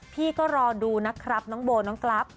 พี่ก็รอดูนะครับน้องโบน้องกรัฟ